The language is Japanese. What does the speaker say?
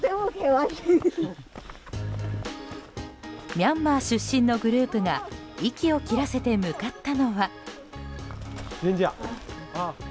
ミャンマー出身のグループが息を切らせて向かったのは。